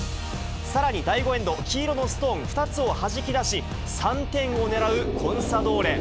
さらに第５エンド、黄色のストーン２つをはじき出し、３点をねらうコンサドーレ。